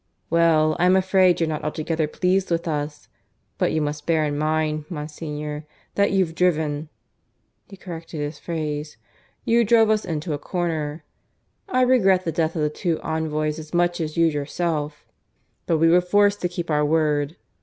"Well, I am afraid you're not altogether pleased with us. But you must bear in mind, Monsignor, that you've driven " (he corrected his phrase) "you drove us into a corner. I regret the deaths of the two envoys as much as you yourself. But we were forced to keep our word.